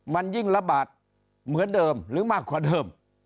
มันยิ่งระบาดเหมือนเดิมหรือมากกว่าเดิม